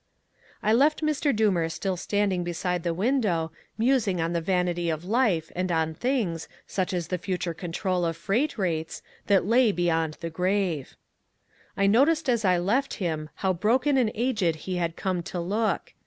I left Mr. Doomer still standing beside the window, musing on the vanity of life and on things, such as the future control of freight rates, that lay beyond the grave. I noticed as I left him how broken and aged he had come to look.